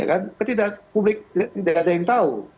kan tidak publik tidak ada yang tahu